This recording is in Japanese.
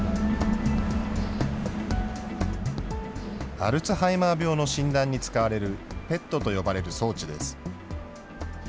アルツハイマー病の診断に使われるＰＥＴと呼ばれる装置です。